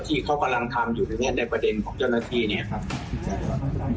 ที่เขากำลังทำอยู่ในประเด็นของเจ้าหน้าที่นี่